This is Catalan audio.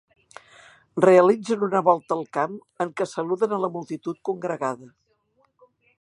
Realitzen una volta al camp en què saluden a la multitud congregada.